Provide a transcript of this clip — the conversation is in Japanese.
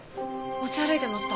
持ち歩いてました。